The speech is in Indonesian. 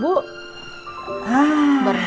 baru diantar sama kondisi